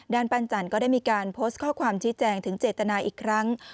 ปั้นจันทร์ก็ได้มีการโพสต์ข้อความชี้แจงถึงเจตนาอีกครั้ง